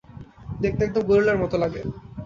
দেখতে একদম গরিলার মতো লাগে।